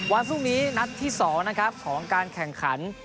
วันพรุ่งนี้นัดที่๒นะครับของการแข่งขัน